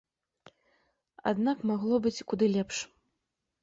Аднак магло быць куды лепш.